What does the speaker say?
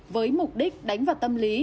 với mục đích đánh vào tâm lý